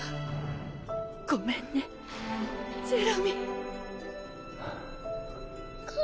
ごめんねジェラミー。